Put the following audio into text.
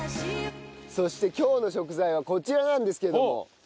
そして今日の食材はこちらなんですけれども。